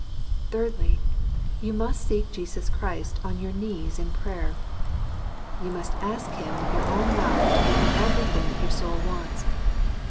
Thirdly : you must seek Jesus Christ on your knees in prayer. You must ask Him with your own mouth to give you everything that your soul wants.